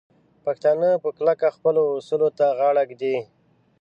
پښتانه په کلکه خپلو اصولو ته غاړه ږدي.